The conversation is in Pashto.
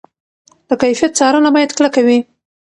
د کیفیت څارنه باید کلکه وي.